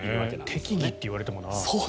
適宜って言われてもな。